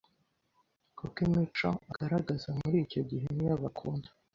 kuko imico agaragaza muri icyo gihe niyo bakunda